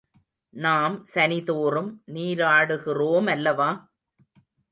நாம் சனிதோறும் நீராடுகிறோமல்லவா?